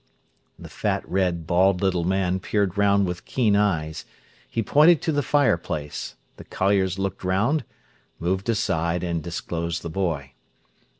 The fat, red, bald little man peered round with keen eyes. He pointed at the fireplace. The colliers looked round, moved aside, and disclosed the boy.